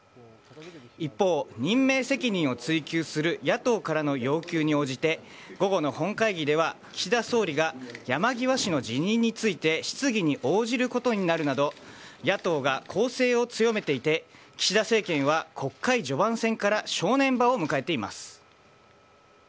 一方、任命責任を追及する野党からの要求に応じて午後の本会議では、岸田総理が山際氏の辞任について、質疑に応じることになるなど、野党が攻勢を強めていて、岸田政権は国会序盤戦から正念場を迎えています。